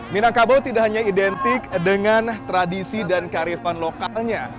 minangkabau tidak hanya identik dengan tradisi dan karifan lokalnya